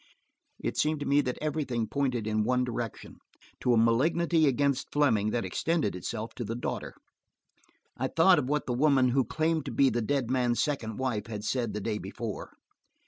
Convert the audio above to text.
It seemed to me everything pointed in one direction, to a malignity against Fleming that extended itself to the daughter. I thought of what the woman who claimed to be the dead man's second wife had said the day before.